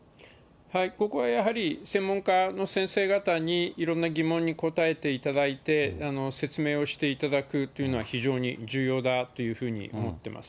ここはやはり専門家の先生方にいろんな疑問に答えていただいて、説明をしていただくというのは非常に重要だというふうに思っています。